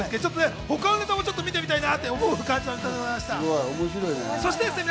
他のネタもちょっと見てみたいなと思う感じですよね。